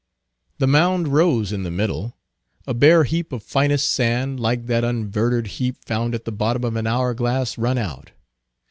The mound rose in the middle; a bare heap of finest sand, like that unverdured heap found at the bottom of an hour glass run out.